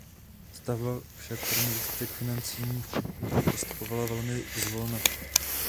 Stavba však pro nedostatek finančních prostředků postupovala velmi zvolna.